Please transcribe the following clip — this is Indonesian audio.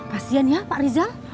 pasien ya pak rizal